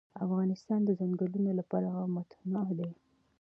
افغانستان د ځنګلونه له پلوه متنوع دی.